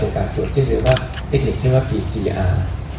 เป็นการตรวจที่เรียกว่าพีซีอาร์